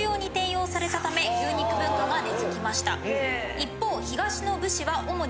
一方。